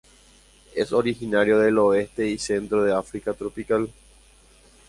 Es originario del oeste y centro de África tropical.